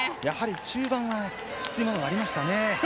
中盤はきついものがありましたね。